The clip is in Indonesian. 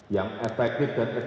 yang efektif dan efektif